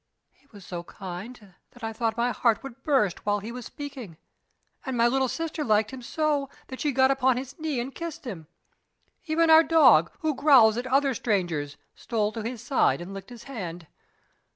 He was so kind, that I thought my heart would burst while he was speaking; and my little sister liked him so, that she got upon his knee and kissed him. Even our dog, who growls at other strangers, stole to his side and licked his hand.